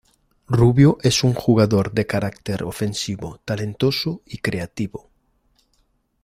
Rubio es un jugador de carácter ofensivo, talentoso y creativo.